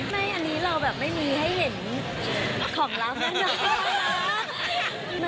ไม่อันนี้เราแบบไม่มีให้เห็นของลับนะจ๊ะ